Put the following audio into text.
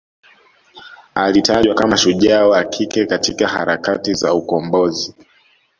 alitajwa kama shujaa wa kike katika harakati za ukombozi